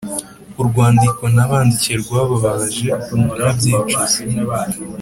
Urwandiko t nabandikiye rwabababaje ntabyicuza